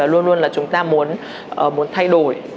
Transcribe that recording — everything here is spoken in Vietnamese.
luôn là chúng ta muốn thay đổi